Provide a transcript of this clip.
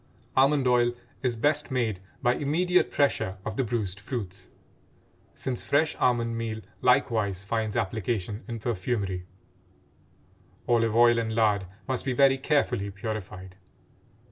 Almond oil is best made by immediate pressure of the bruised fruits, since fresh almond meal likewise finds application in perfumery; olive oil and lard must be very carefully purified.